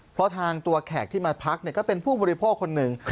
เพราะทางตัวแขกที่มาพักก็เป็นผู้บริโภคคนหนึ่ง